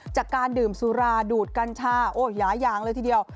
จากการดื่มสุราดูดกันชาหยายางเลยทีเดียว